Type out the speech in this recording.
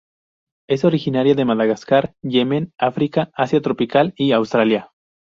Es originaria de Madagascar, Yemen, África, Asia tropical y Australia.